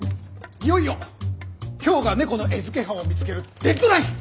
いよいよ今日が猫の餌付け犯を見つけるデッドライン！